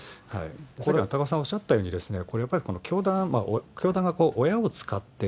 さっき高岡さんがおっしゃったように、これやっぱり、教団、教団が親を使って、